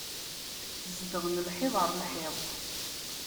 Zedɣen lhiḍ ɣer lhiḍ.